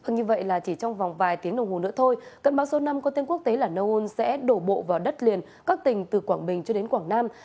như vậy là chỉ trong vòng vài tiếng đồng hồ nữa thôi cơn bão số năm có tên quốc tế là nun sẽ đổ bộ vào đất liền các tỉnh từ quảng bình cho đến quảng nam